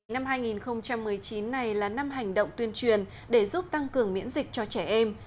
năm hai nghìn một mươi chín này là năm hành động tuyên truyền để giúp tăng cường miễn dịch cho trẻ em